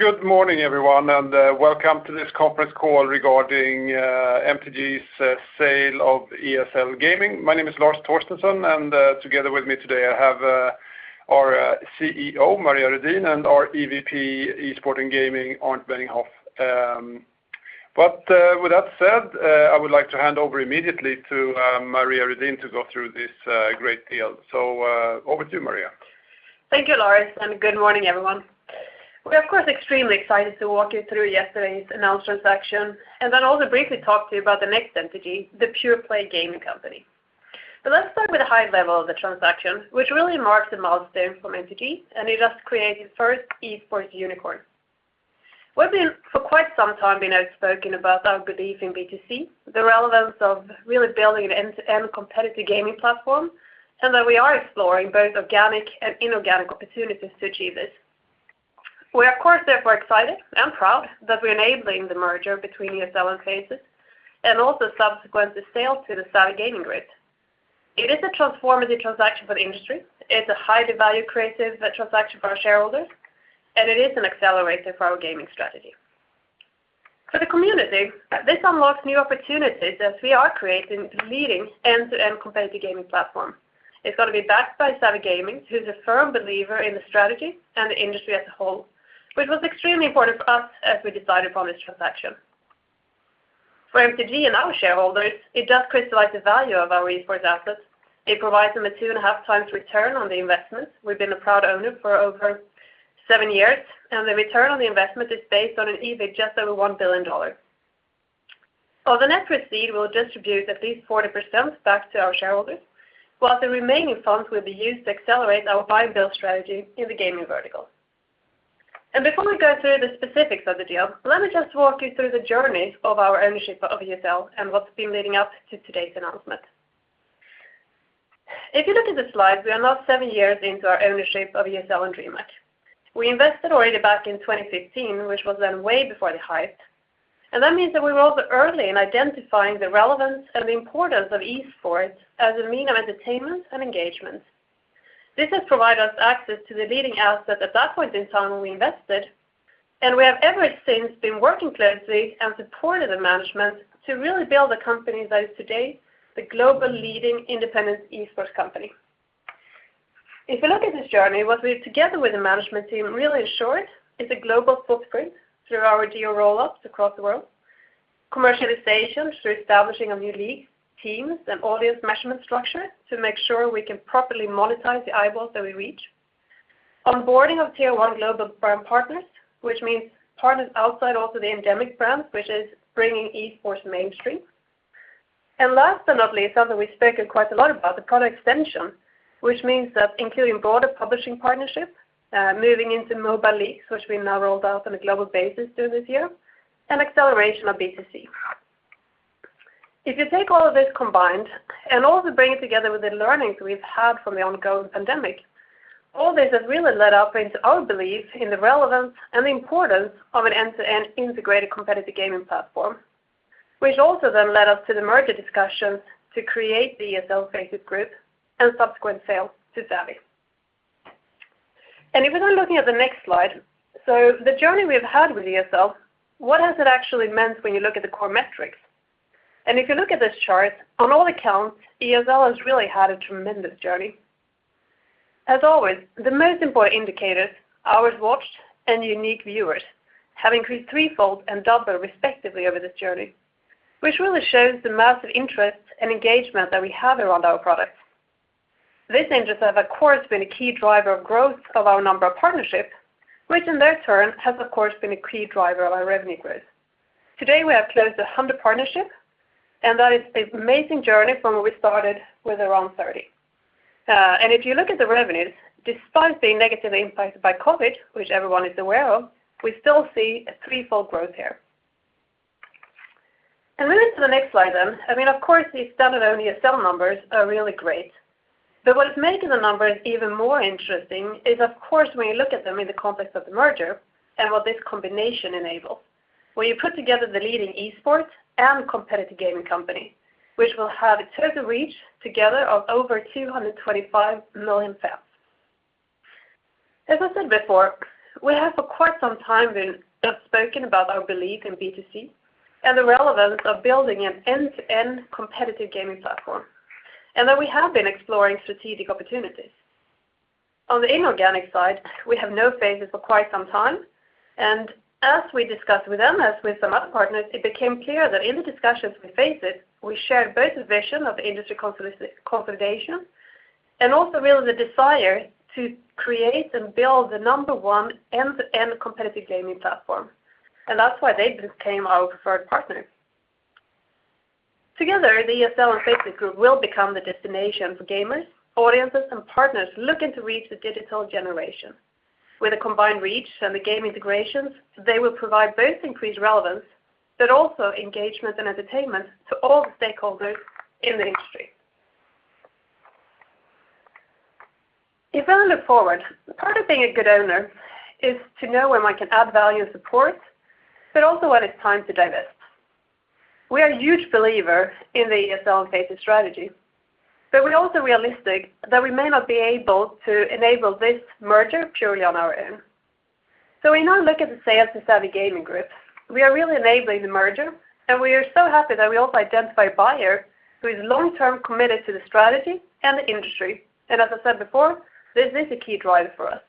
Good morning everyone, and welcome to this conference call regarding MTG's sale of ESL Gaming. My name is Lars Torstensson, and together with me today, I have our Chief Executive Officer, Maria Redin, and our Executive Vice President Esports and Gaming, Arnd Benninghoff. But with that said, I would like to hand over immediately to Maria Redin to go through this great deal. Over to you, Maria. Thank you, Lars, and good morning everyone. We are of course extremely excited to walk you through yesterday's announced transaction and then also briefly talk to you about the next MTG, the pure play gaming company. Let's start with the high level of the transaction, which really marks a milestone from MTG, and it has created first Esports unicorn. We've been for quite some time been outspoken about our belief in B2C, the relevance of really building an end-to-end competitive gaming platform, and that we are exploring both organic and inorganic opportunities to achieve this. We are of course therefore excited and proud that we're enabling the merger between ESL and FACEIT, and also the subsequent sale to the Savvy Gaming Group. It is a transformative transaction for the industry, it's a highly value creative transaction for our shareholders, and it is an accelerator for our gaming strategy. For the community, this unlocks new opportunities as we are creating leading end-to-end competitive gaming platform. It's gonna be backed by Savvy Gaming, who's a firm believer in the strategy and the industry as a whole, which was extremely important for us as we decided upon this transaction. For MTG and our shareholders, it does crystallize the value of our Esports assets. It provides them a 2.5x return on the investment we've been a proud owner for over seven years, and the return on the investment is based on an EBITDA just over $1 billion. Of the net proceeds, we'll distribute at least 40% back to our shareholders, while the remaining funds will be used to accelerate our buy build strategy in the gaming vertical. Before we go through the specifics of the deal, let me just walk you through the journey of our ownership of ESL and what's been leading up to today's announcement. If you look at the slides, we are now seven years into our ownership of ESL and DreamHack. We invested already back in 2015, which was then way before the hype, and that means that we were also early in identifying the relevance and the importance of Esports as a means of entertainment and engagement. This has provided us access to the leading asset at that point in time when we invested, and we have ever since been working closely and supported the management to really build a company that is today the global leading independent Esports company. If you look at this journey, what we have together with the management team really assured is a global footprint through our geo roll-ups across the world, commercialization through establishing of new leagues, teams, and audience measurement structure to make sure we can properly monetize the eyeballs that we reach. Onboarding of tier one global brand partners, which means partners outside also the endemic brands, which is bringing Esports mainstream. Last but not least, something we've spoken quite a lot about, the product extension, which means that including broader publishing partnership, moving into mobile leagues, which we now rolled out on a global basis during this year, and acceleration of B2C. If you take all of this combined and also bring it together with the learnings we've had from the ongoing pandemic, all this has really led up into our belief in the relevance and the importance of an end-to-end integrated competitive gaming platform, which also then led us to the merger discussions to create the ESL FACEIT Group and subsequent sale to Savvy. If we're now looking at the next slide, so the journey we've had with ESL, what has it actually meant when you look at the core metrics? If you look at this chart, on all accounts, ESL has really had a tremendous journey. As always, the most important indicators, hours watched and unique viewers, have increased threefold and double respectively over this journey, which really shows the massive interest and engagement that we have around our products. This interest has of course been a key driver of growth of our number of partnerships, which in their turn has of course been a key driver of our revenue growth. Today, we have closed 100 partnerships, and that is an amazing journey from when we started with around 30. If you look at the revenues, despite being negatively impacted by COVID, which everyone is aware of, we still see a threefold growth here. Moving to the next slide then, I mean of course these standalone ESL numbers are really great, but what has made the numbers even more interesting is of course when you look at them in the context of the merger and what this combination enables, where you put together the leading Esports and competitive gaming company, which will have a total reach together of over 225 million fans. As I said before, we have for quite some time been outspoken about our belief in B2C and the relevance of building an end-to-end competitive gaming platform, and that we have been exploring strategic opportunities. On the inorganic side, we have known FACEIT for quite some time, and as we discussed with them, as with some other partners, it became clear that in the discussions with FACEIT, we shared both the vision of industry consolidation and also really the desire to create and build the number one end-to-end competitive gaming platform, and that's why they became our preferred partner. Together, the ESL and FACEIT Group will become the destination for gamers, audiences, and partners looking to reach the digital generation. With a combined reach and the game integrations, they will provide both increased relevance but also engagement and entertainment to all the stakeholders in the industry. If I look forward, part of being a good owner is to know when I can add value and support, but also when it's time to divest. We are a huge believer in the ESL and FACEIT strategy, but we're also realistic that we may not be able to enable this merger purely on our own. We now look at the sale to Savvy Gaming Group. We are really enabling the merger, and we are so happy that we also identify a buyer who is long-term committed to the strategy and the industry. As I said before, this is a key driver for us.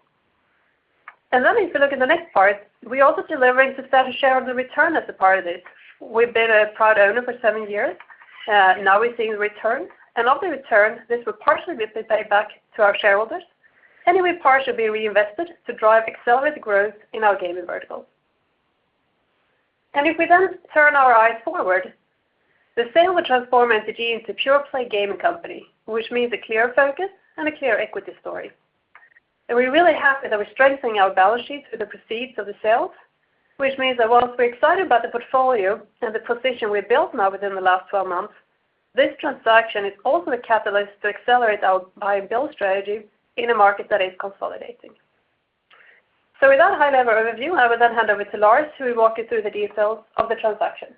If you look at the next part, we're also delivering substantial share of the return as a part of this. We've been a proud owner for seven years, now we're seeing return. Of the return, this will partially be paid back to our shareholders, and it will partially be reinvested to drive accelerated growth in our gaming vertical. If we then turn our eyes forward, the sale will transform MTG into pure play gaming company, which means a clear focus and a clear equity story. We're really happy that we're strengthening our balance sheet with the proceeds of the sale, which means that while we're excited about the portfolio and the position we built now within the last 12 months, this transaction is also the catalyst to accelerate our buy and build strategy in a market that is consolidating. With that high-level overview, I will then hand over to Lars, who will walk you through the details of the transaction.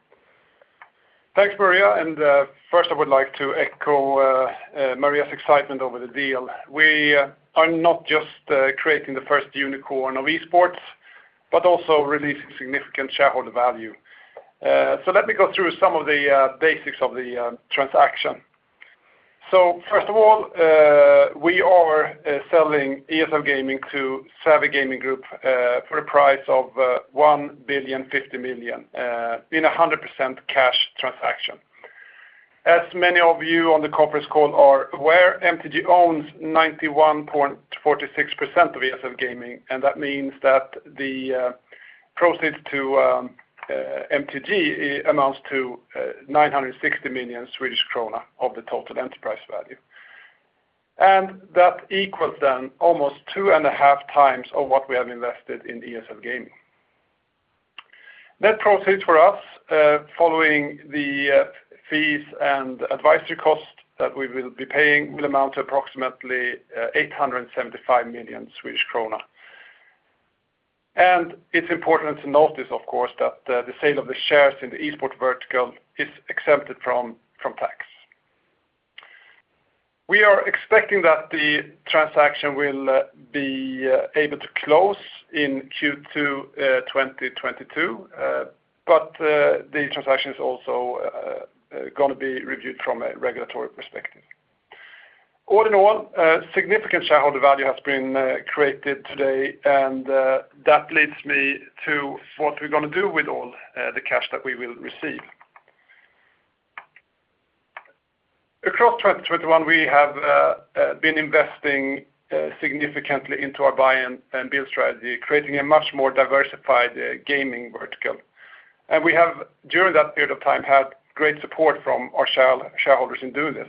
Thanks, Maria. First I would like to echo Maria's excitement over the deal. We are not just creating the first unicorn of Esports, but also releasing significant shareholder value. Let me go through some of the basics of the transaction. First of all, we are selling ESL Gaming to Savvy Gaming Group for a price of 1.05 billion in a 100% cash transaction. As many of you on the conference call are aware, MTG owns 91.46% of ESL Gaming, and that means that the proceeds to MTG amounts to 960 million Swedish krona of the total enterprise value. That equals almost 2.5x of what we have invested in ESL Gaming. Net proceeds for us, following the fees and advisory costs that we will be paying will amount to approximately 875 million Swedish krona. It's important to notice, of course, that the sale of the shares in the Esports vertical is exempted from tax. We are expecting that the transaction will be able to close in Q2 2022, but the transaction is also gonna be reviewed from a regulatory perspective. All in all, significant shareholder value has been created today, and that leads me to what we're gonna do with all the cash that we will receive. Across 2021, we have been investing significantly into our buy and build strategy, creating a much more diversified gaming vertical. We have, during that period of time, had great support from our shareholders in doing this.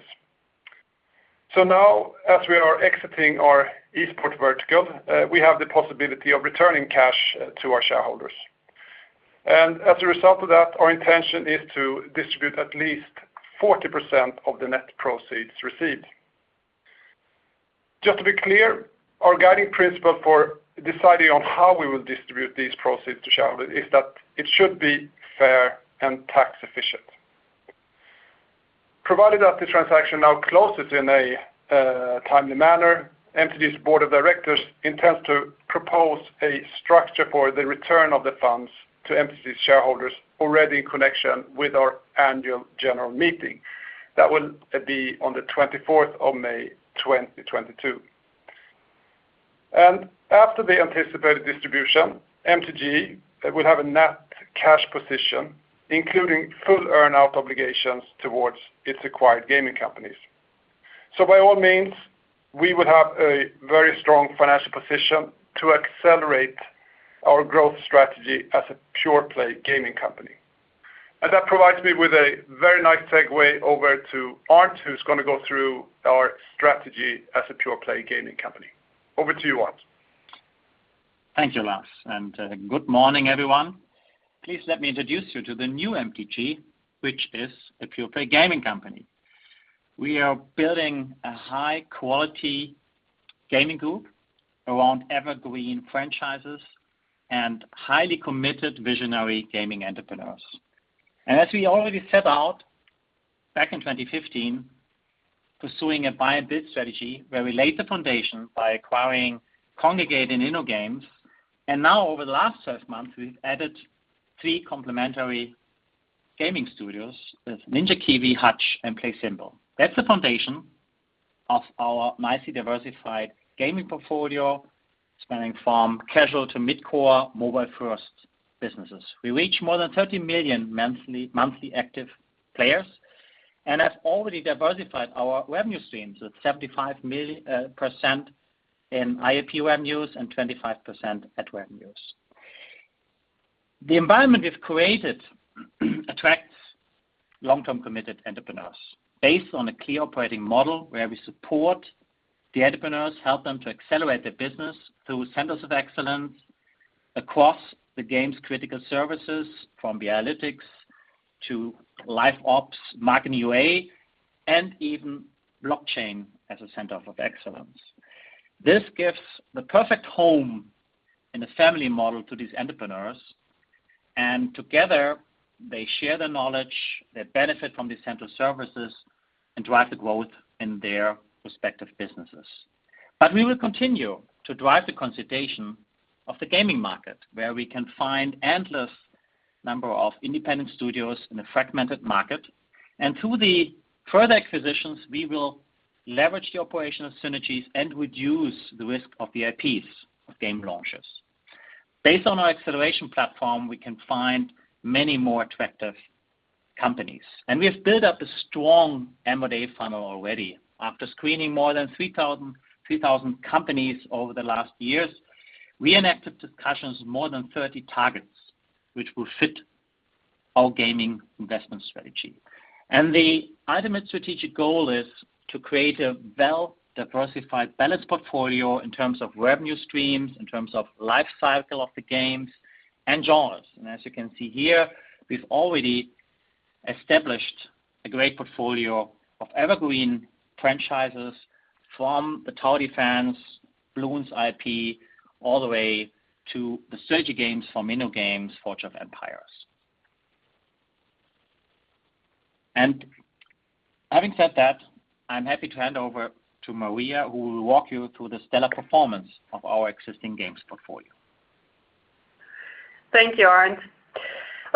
Now as we are exiting our Esports vertical, we have the possibility of returning cash to our shareholders. As a result of that, our intention is to distribute at least 40% of the net proceeds received. Just to be clear, our guiding principle for deciding on how we will distribute these proceeds to shareholders is that it should be fair and tax efficient. Provided that the transaction now closes in a timely manner, MTG's board of directors intends to propose a structure for the return of the funds to MTG's shareholders already in connection with our annual general meeting. That will be on the 24th of May 2022. After the anticipated distribution, MTG will have a net cash position, including full earn-out obligations towards its acquired gaming companies. By all means, we will have a very strong financial position to accelerate our growth strategy as a pure play gaming company. That provides me with a very nice segue over to Arnd, who's gonna go through our strategy as a pure play gaming company. Over to you, Arnd. Thank you, Lars. Good morning, everyone. Please let me introduce you to the new MTG, which is a pure play gaming company. We are building a high-quality gaming group around evergreen franchises and highly committed visionary gaming entrepreneurs. We already set out back in 2015, pursuing a buy and build strategy where we laid the foundation by acquiring Kongregate and InnoGames. Now over the last 12 months, we've added three complementary gaming studios with Ninja Kiwi, Hutch, and PlaySimple. That's the foundation of our nicely diversified gaming portfolio, spanning from casual to mid-core mobile first businesses. We reach more than 30 million monthly active players and have already diversified our revenue streams at 75% in IAP revenues and 25% ad revenues. The environment we've created attracts long-term committed entrepreneurs based on a clear operating model where we support the entrepreneurs, help them to accelerate their business through centers of excellence across the games critical services from the analytics to live ops, marketing UA, and even blockchain as a center of excellence. This gives the perfect home in a family model to these entrepreneurs. Together they share the knowledge, they benefit from these central services, and drive the growth in their respective businesses. We will continue to drive the consolidation of the gaming market, where we can find an endless number of independent studios in a fragmented market. Through the further acquisitions, we will leverage the operational synergies and reduce the risk of the IPs of game launches. Based on our acceleration platform, we can find many more attractive companies. We have built up a strong M&A funnel already. After screening more than 3,000 companies over the last years, we engaged in discussions with more than 30 targets which will fit our gaming investment strategy. The ultimate strategic goal is to create a well-diversified balanced portfolio in terms of revenue streams, in terms of life cycle of the games and genres. As you can see here, we've already established a great portfolio of evergreen franchises from the Tower Defense, Bloons IP, all the way to the surgery games for InnoGames, Forge of Empires. Having said that, I'm happy to hand over to Maria, who will walk you through the stellar performance of our existing games portfolio. Thank you, Arnd.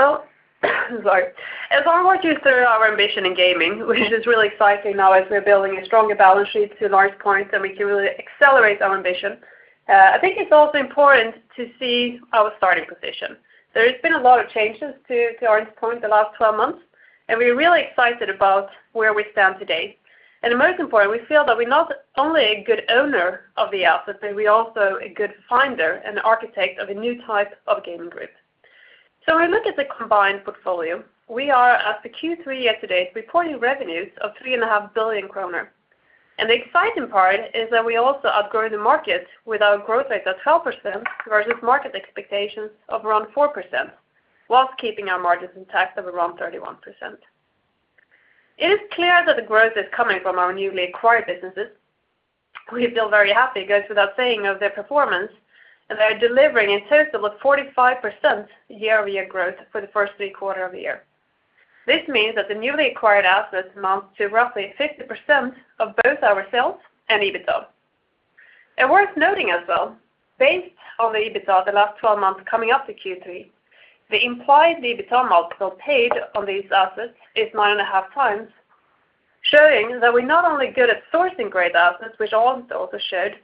As I walk you through our ambition in gaming, which is really exciting now as we're building a stronger balance sheet to Arnd's point, that we can really accelerate our ambition, I think it's also important to see our starting position. There has been a lot of changes to Arnd's point the last 12 months, and we're really excited about where we stand today. Most important, we feel that we're not only a good owner of the output, but we're also a good finder and architect of a new type of gaming group. When we look at the combined portfolio, we are at the Q3 year-to-date reporting revenues of 3.5 billion kronor. The exciting part is that we also outgrow the market with our growth rate at 12% versus market expectations of around 4%, while keeping our margins intact of around 31%. It is clear that the growth is coming from our newly acquired businesses. We feel very happy, it goes without saying, of their performance, and they are delivering in total of 45% year-over-year growth for the first three quarters of the year. This means that the newly acquired assets amount to roughly 50% of both our sales and EBITDA. Worth noting as well, based on the EBITDA the last 12 months coming up to Q3, the implied EBITDA multiple paid on these assets is 9.5x, showing that we're not only good at sourcing great assets, which Arnd also showed,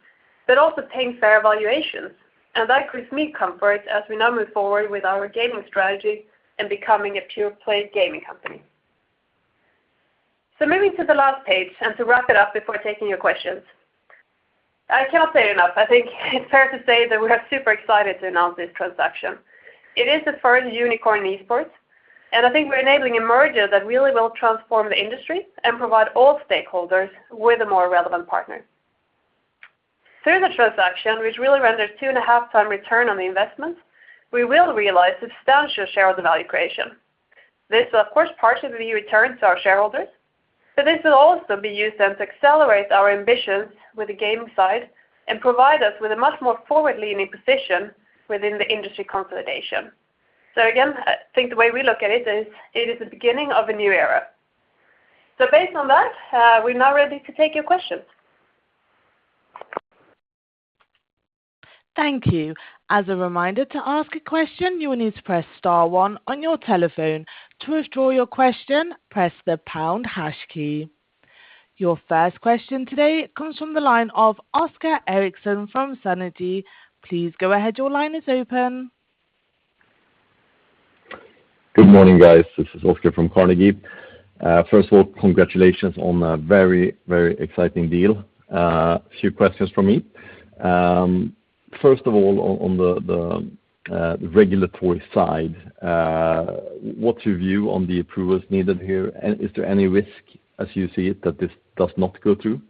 but also paying fair valuations. That gives me comfort as we now move forward with our gaming strategy and becoming a pure play gaming company. Moving to the last page, and to wrap it up before taking your questions. I cannot say it enough. I think it's fair to say that we are super excited to announce this transaction. It is the first unicorn in Esports, and I think we're enabling a merger that really will transform the industry and provide all stakeholders with a more relevant partner. Through the transaction, which really renders 2.5x return on the investment, we will realize substantial shareholder value creation. This will, of course, partially be returned to our shareholders, but this will also be used then to accelerate our ambitions with the gaming side and provide us with a much more forward-leaning position within the industry consolidation. Again, I think the way we look at it is, it is the beginning of a new era. Based on that, we're now ready to take your questions. Thank you. As a reminder to ask a question, you will need to press star one on your telephone. To withdraw your question, press the pound hash key. Your first question today comes from the line of Oscar Erixon from Carnegie. Please go ahead, your line is open. Good morning, guys. This is Oscar from Carnegie. First of all, congratulations on a very, very exciting deal. A few questions from me. First of all, on the regulatory side, what's your view on the approvals needed here? Is there any risk as you see it that this does not go through?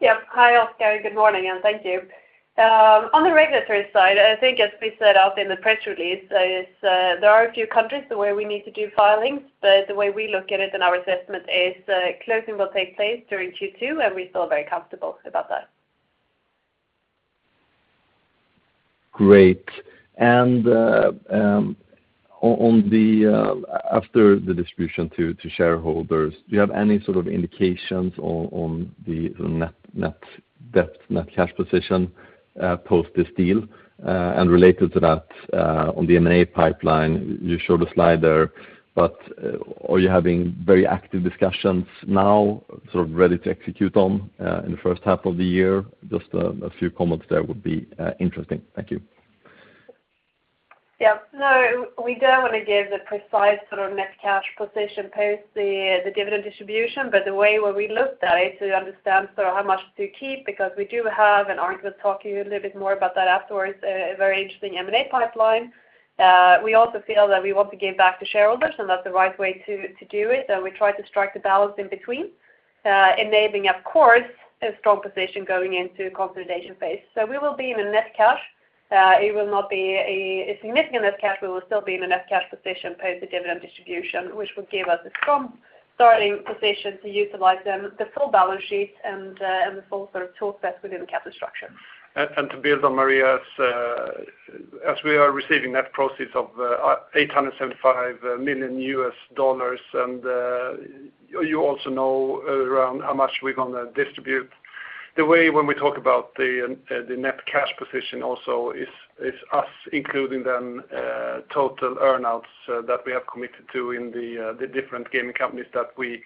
Yeah. Hi, Oscar, good morning, and thank you. On the regulatory side, I think as we set out in the press release, there are a few countries where we need to do filings. The way we look at it in our assessment is, closing will take place during Q2, and we feel very comfortable about that. Great. After the distribution to shareholders, do you have any sort of indications on the net debt, net cash position post this deal? Related to that, on the M&A pipeline, you showed a slide there, but are you having very active discussions now, sort of ready to execute on in the first half of the year? Just a few comments there would be interesting. Thank you. Yeah. No, we don't wanna give the precise sort of net cash position post the dividend distribution. The way where we look at it to understand sort of how much to keep, because we do have, and Arnd Benninghoff will talk to you a little bit more about that afterwards, a very interesting M&A pipeline. We also feel that we want to give back to shareholders, and that's the right way to do it. We try to strike the balance in between, enabling, of course, a strong position going into consolidation phase. We will be in a net cash position. It will not be a significant net cash. We will still be in a net cash position post the dividend distribution, which will give us a strong starting position to utilize then the full balance sheet and the full sort of tool set within the capital structure. To build on Maria's, as we are receiving that proceeds of $875 million, and you also know around how much we're gonna distribute. The way when we talk about the net cash position also is us including then total earn-outs that we have committed to in the different gaming companies that we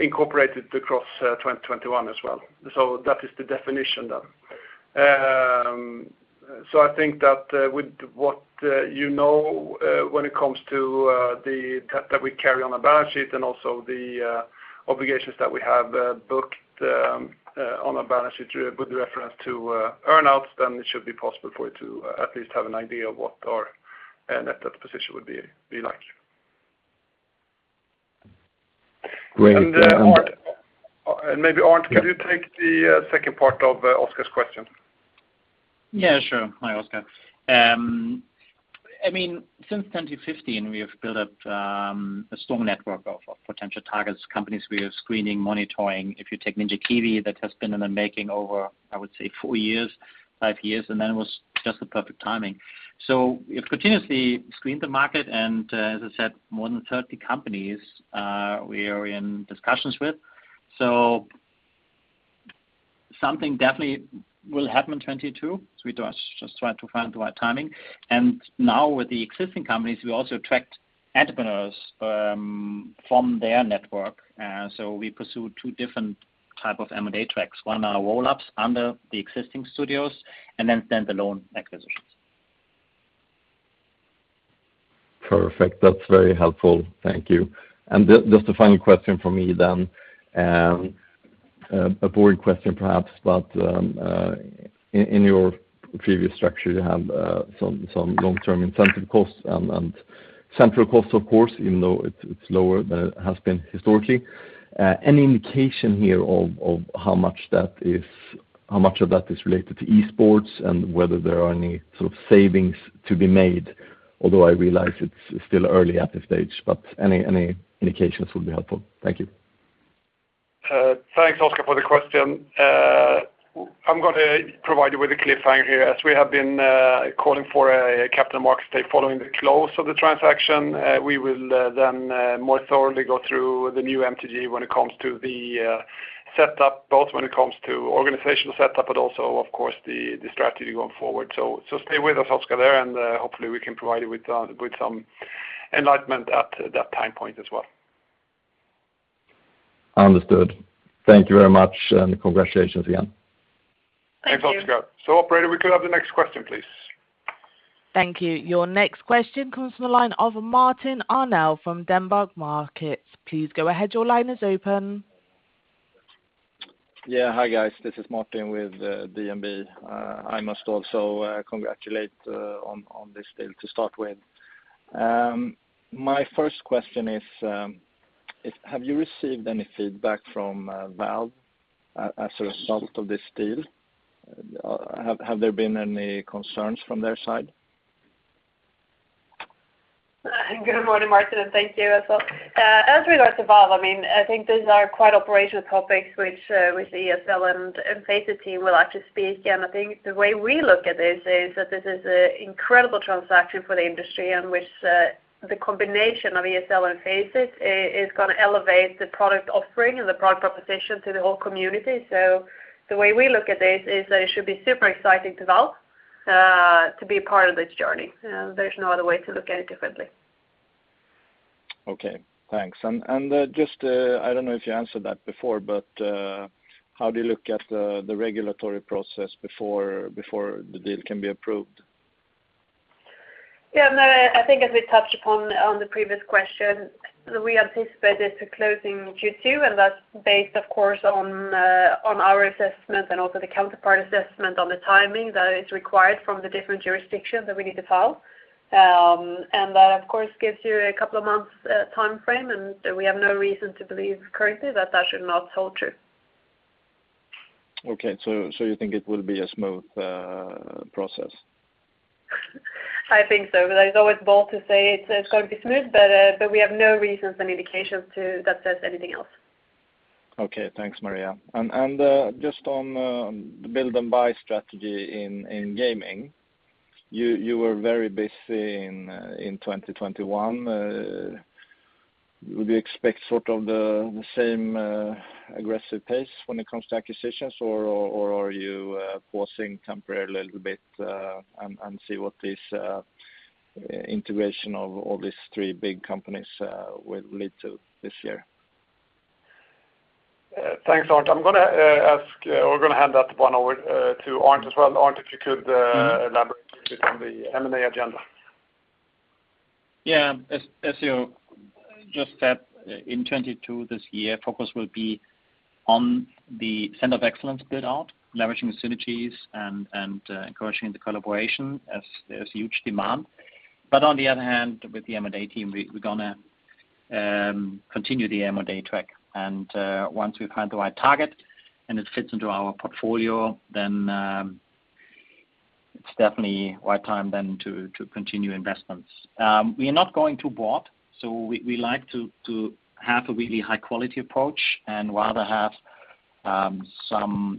incorporated across 2021 as well. That is the definition then. I think that, with what you know, when it comes to the debt that we carry on our balance sheet and also the obligations that we have booked on our balance sheet with reference to earn outs, then it should be possible for you to at least have an idea of what our net debt position would be like. Great. Arnd, and maybe Arnd. Yeah. Could you take the second part of Oscar's question? Yeah, sure. Hi, Oscar. Since 2015 we have built up a strong network of potential targets, companies we are screening, monitoring. If you take Ninja Kiwi, that has been in the making over, I would say 4 years, 5 years, and then it was just the perfect timing. We have continuously screened the market and, as I said, more than 30 companies we are in discussions with. Something definitely will happen in 2022. We just trying to find the right timing. Now with the existing companies, we also attract entrepreneurs from their network. We pursue two different type of M&A tracks. One are roll-ups under the existing studios and then standalone acquisitions. Perfect. That's very helpful. Thank you. Just a final question from me then. A boring question perhaps, but in your previous structure you have some long-term incentive costs and central costs of course, even though it's lower than it has been historically. Any indication here of how much that is, how much of that is related to Esports and whether there are any sort of savings to be made? Although I realize it's still early at this stage, but any indications would be helpful. Thank you. Thanks Oscar for the question. I'm gonna provide you with a cliffhanger here. As we have been calling for a capital market day following the close of the transaction, we will then more thoroughly go through the new MTG when it comes to the setup, both when it comes to organizational setup, but also of course the strategy going forward. Stay with us, Oscar there, and hopefully we can provide you with some enlightenment at that time point as well. Understood. Thank you very much and congratulations again. Thank you. Thanks Oscar. Operator, we could have the next question, please. Thank you. Your next question comes from the line of Martin Arnell from DNB Markets. Please go ahead, your line is open. Yeah. Hi guys, this is Martin with DNB. I must also congratulate on this deal to start with. My first question is have you received any feedback from Valve as a result of this deal? Have there been any concerns from their side? Good morning, Martin, and thank you as well. As regards to Valve, I mean, I think these are quite operational topics which ESL and FACEIT team will actually speak. I think the way we look at this is that this is an incredible transaction for the industry in which the combination of ESL and FACEIT is gonna elevate the product offering and the product proposition to the whole community. The way we look at this is that it should be super exciting to Valve to be a part of this journey. There's no other way to look at it differently. Okay, thanks. Just, I don't know if you answered that before, but how do you look at the regulatory process before the deal can be approved? Yeah, no, I think as we touched upon on the previous question, we anticipate this closing in Q2, and that's based of course on our assessment and also the counterpart assessment on the timing that is required from the different jurisdictions that we need to file. That of course gives you a couple of months timeframe, and we have no reason to believe currently that that should not hold true. Okay. You think it will be a smooth process? I think so, but it's always bold to say it's going to be smooth, but we have no reasons and indications that says anything else. Okay. Thanks, Maria. Just on the build and buy strategy in gaming, you were very busy in 2021. Would you expect sort of the same aggressive pace when it comes to acquisitions or are you pausing temporarily a little bit and see what this integration of all these three big companies will lead to this year? Thanks, Arnd. We're gonna hand that one over to Arnd as well. Arnd, if you could elaborate a bit on the M&A agenda. Yeah. As you just said, in 2022 this year, focus will be on the center of excellence build out, leveraging the synergies and encouraging the collaboration as there's huge demand. On the other hand, with the M&A team, we're gonna continue the M&A track. Once we find the right target and it fits into our portfolio, it's definitely right time to continue investments. We are not going to bored, so we like to have a really high-quality approach and rather have some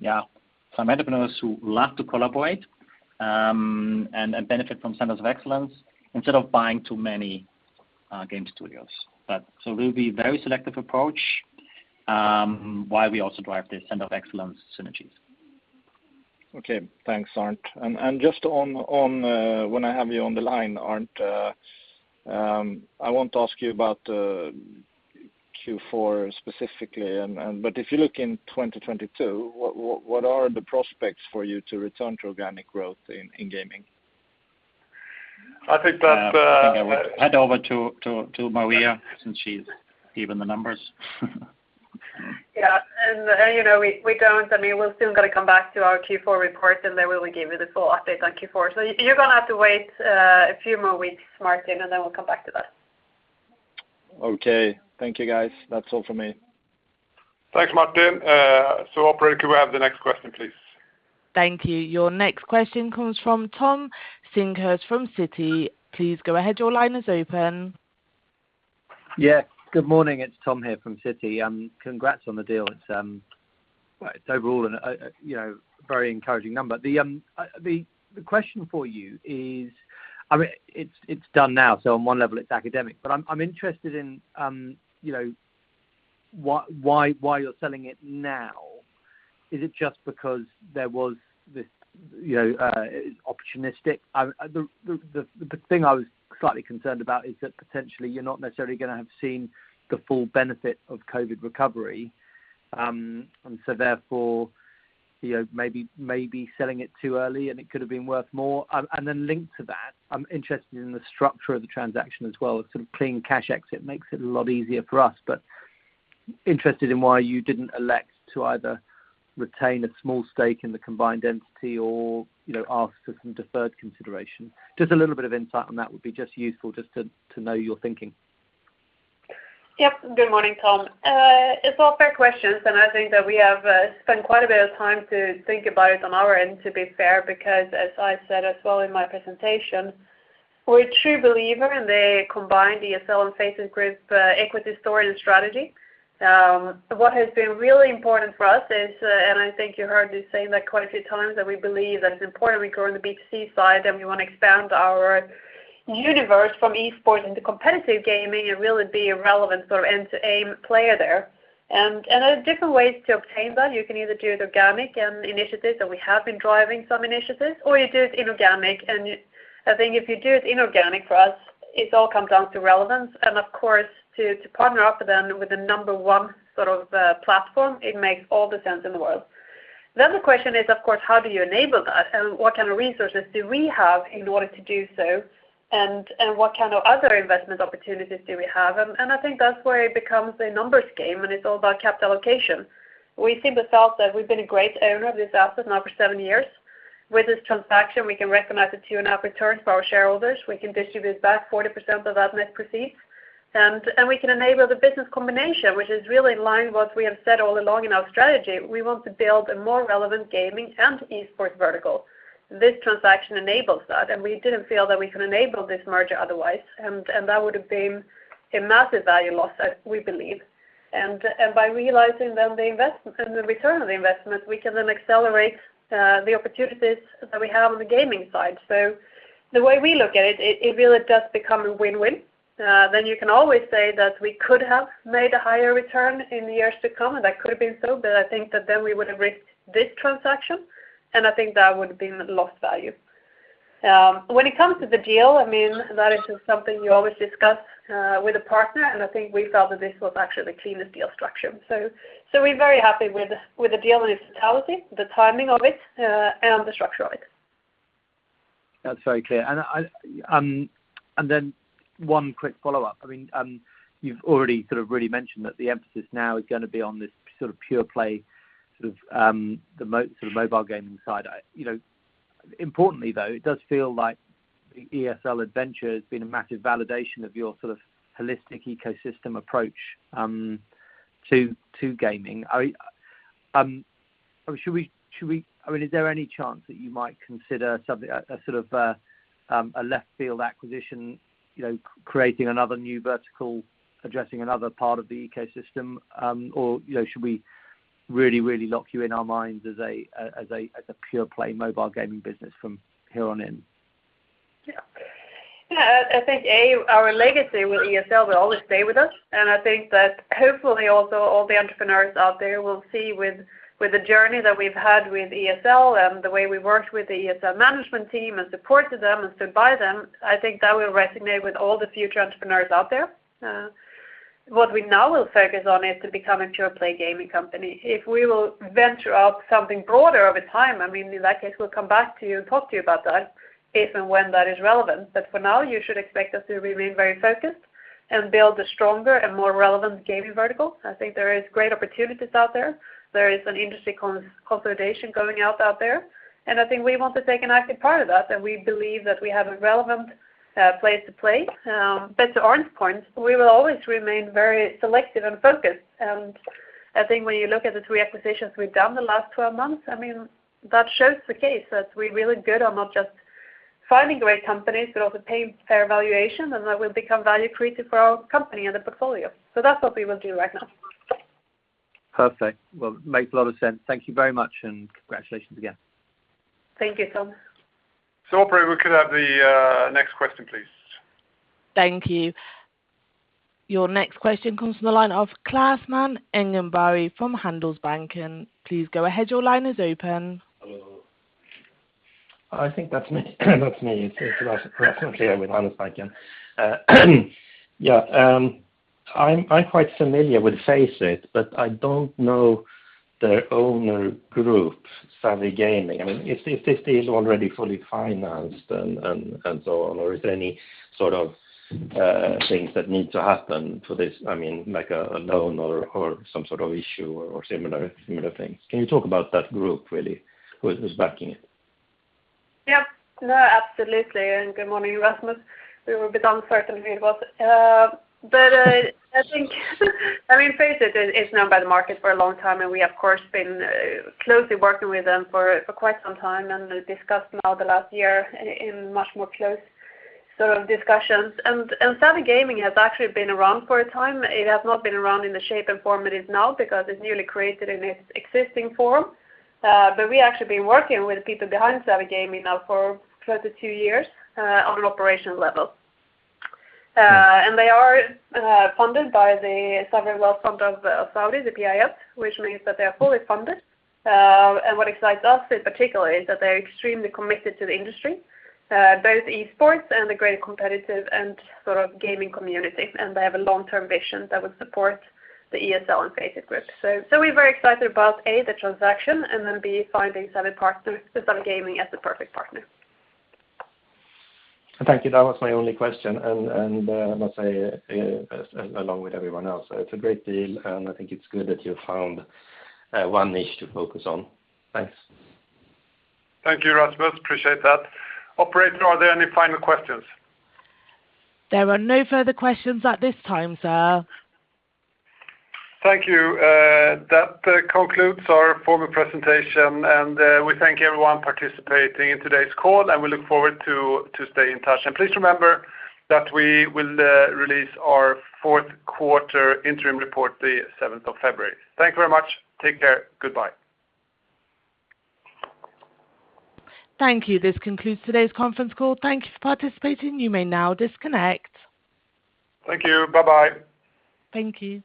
entrepreneurs who love to collaborate and benefit from centers of excellence instead of buying too many game studios. We'll be very selective approach while we also drive the center of excellence synergies. Okay. Thanks, Arnd. Just on, when I have you on the line, Arnd, I want to ask you about Q4 specifically and but if you look in 2022, what are the prospects for you to return to organic growth in gaming? I think that's. I think I would hand over to Maria since she's given the numbers. You know, I mean, we're still gonna come back to our Q4 report, and then we will give you the full update on Q4. You're gonna have to wait a few more weeks, Martin, and then we'll come back to that. Okay. Thank you, guys. That's all for me. Thanks, Martin. Operator, could we have the next question, please? Thank you. Your next question comes from Thomas Singlehurst from Citi. Please go ahead. Your line is open. Yeah. Good morning. It's Tom here from Citi. Congrats on the deal. It's, well, it's overall an, you know, very encouraging number. The question for you is, I mean, it's done now, so on one level it's academic, but I'm interested in, you know, why you're selling it now. Is it just because there was this, you know, opportunistic? The thing I was slightly concerned about is that potentially you're not necessarily gonna have seen the full benefit of COVID recovery. Therefore, you know, maybe selling it too early, and it could have been worth more. Then linked to that, I'm interested in the structure of the transaction as well, sort of clean cash exit makes it a lot easier for us. interested in why you didn't elect to either retain a small stake in the combined entity or, you know, ask for some deferred consideration. Just a little bit of insight on that would be just useful just to know your thinking. Yep. Good morning, Tom. It's all fair questions, and I think that we have spent quite a bit of time to think about it on our end, to be fair, because as I said as well in my presentation, we're a true believer in the combined ESL and FACEIT Group equity story and strategy. What has been really important for us is, and I think you heard us saying that quite a few times, that we believe that it's important we grow on the B2C side, and we wanna expand our universe from e-sports into competitive gaming and really be a relevant sort of end-to-end player there. There are different ways to obtain that. You can either do it organic and initiatives, and we have been driving some initiatives, or you do it inorganic. I think if you do it inorganic, for us, it all comes down to relevance. Of course to partner up then with the number one sort of platform, it makes all the sense in the world. The question is, of course, how do you enable that? What kind of resources do we have in order to do so? What kind of other investment opportunities do we have? I think that's where it becomes a numbers game, and it's all about capital allocation. We think the fact that we've been a great owner of this asset now for 7 years, with this transaction, we can recognize a 2.5 return for our shareholders. We can distribute back 40% of that net proceeds, and we can enable the business combination, which is really in line with what we have said all along in our strategy. We want to build a more relevant gaming and Esports vertical. This transaction enables that, and we didn't feel that we could enable this merger otherwise, and that would have been a massive value loss, as we believe. By realizing then the investment and the return on the investment, we can then accelerate the opportunities that we have on the gaming side. The way we look at it really does become a win-win. You can always say that we could have made a higher return in years to come, and that could have been so, but I think that then we would have risked this transaction, and I think that would have been lost value. When it comes to the deal, I mean, that is just something you always discuss with a partner, and I think we felt that this was actually the cleanest deal structure. We're very happy with the deal in its totality, the timing of it, and the structure of it. That's very clear. I then one quick follow-up. I mean, you've already sort of really mentioned that the emphasis now is gonna be on this sort of pure play mobile gaming side. You know, importantly though, it does feel like the ESL adventure has been a massive validation of your sort of holistic ecosystem approach to gaming. I mean, is there any chance that you might consider something, a sort of left field acquisition, you know, creating another new vertical, addressing another part of the ecosystem? Or, you know, should we really lock you in our minds as a pure play mobile gaming business from here on in? Yeah. I think our legacy with ESL will always stay with us, and I think that hopefully also all the entrepreneurs out there will see with the journey that we've had with ESL and the way we worked with the ESL management team and supported them and stood by them. I think that will resonate with all the future entrepreneurs out there. What we now will focus on is to become a pure play gaming company. If we will venture out something broader over time, I mean, in that case, we'll come back to you and talk to you about that if and when that is relevant. For now, you should expect us to remain very focused and build a stronger and more relevant gaming vertical. I think there is great opportunities out there. There is an industry consolidation going out there, and I think we want to take an active part of that, and we believe that we have a relevant place to play. Back to Arnd's point, we will always remain very selective and focused, and I think when you look at the three acquisitions we've done the last 12 months, I mean, that makes the case that we're really good on not just finding great companies, but also paying fair valuation, and that will become value creative for our company and the portfolio. That's what we will do right now. Perfect. Well, makes a lot of sense. Thank you very much, and congratulations again. Thank you, Tom. Operator, we could have the next question, please. Thank you. Your next question comes from the line of Rasmus Engberg from Handelsbanken. Please go ahead. Your line is open. Hello. I think that's me. That's me. It's Rasmus Engberg with Handelsbanken. Yeah, I'm quite familiar with FACEIT, but I don't know their owner group, Savvy Gaming. I mean, if this deal is already fully financed and so on, or is there any sort of things that need to happen to this, I mean, like a loan or some sort of issue or similar things. Can you talk about that group, really? Who is backing it? Yep. No, absolutely, good morning, Rasmus. We were a bit uncertain who it was. I think, I mean, FACEIT is known by the market for a long time, and we have of course been closely working with them for quite some time and discussed now the last year in much more close sort of discussions. Savvy Gaming has actually been around for a time. It has not been around in the shape and form it is now because it's newly created in its existing form. We actually been working with people behind Savvy Gaming now for close to two years on an operation level. They are funded by the sovereign wealth fund of Saudi, the PIF, which means that they are fully funded. What excites us in particular is that they're extremely committed to the industry, both Esports and the greater competitive and sort of gaming community. They have a long-term vision that would support the ESL and FACEIT groups. We're very excited about, A, the transaction, and then, B, finding Savvy Gaming as the perfect partner. Thank you. That was my only question. I must say, along with everyone else, it's a great deal, and I think it's good that you found one niche to focus on. Thanks. Thank you, Rasmus. Appreciate that. Operator, are there any final questions? There are no further questions at this time, sir. Thank you. That concludes our formal presentation. We thank everyone participating in today's call, and we look forward to stay in touch. Please remember that we will release our fourth quarter interim report the seventh of February. Thank you very much. Take care. Goodbye. Thank you. This concludes today's conference call. Thank you for participating. You may now disconnect. Thank you. Bye-bye. Thank you.